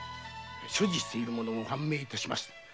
所持している者も判明致しました。